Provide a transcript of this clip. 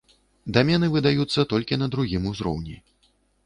Дамены выдаюцца толькі на другім узроўні.